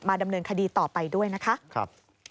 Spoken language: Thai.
ดำเนินคดีต่อไปด้วยนะคะ